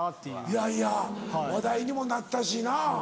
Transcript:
いやいや話題にもなったしな。